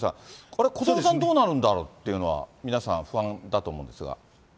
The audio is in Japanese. あれ、子どもさんどうなるんだろうって、皆さん、不安だと思うんですが。